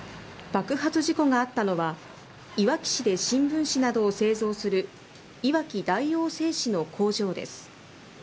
爆発事故があったのは、いわき市で新聞紙などを製造するいわき大王製紙の工場です。